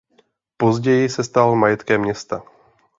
Později se stal majetkem města.